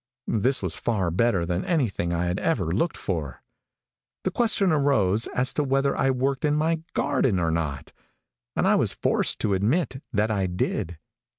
This was far better than anything I had ever looked for. The question arose as to whether I worked in my garden or not, and I was forced to admit that I did.